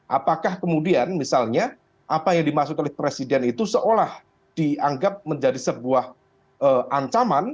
apakah kemudian misalnya apa yang dimaksud oleh presiden itu seolah dianggap menjadi sebuah ancaman